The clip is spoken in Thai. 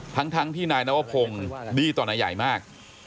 ทั้งที่นายนวพงศ์ดีต่อนายใหญ่มาก